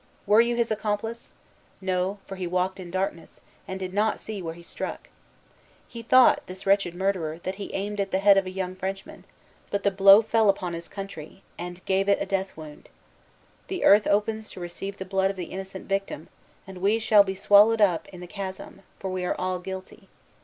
Were you his accomplice? No; for he walked in darkness, and did not see where he struck. He thought, this wretched murderer, that he aimed at the head of a young Frenchman; but the blow fell upon his country, and gave it a death wound. The earth opens to receive the blood of the innocent victim, and we shall be swallowed up in the chasm; for we are all guilty.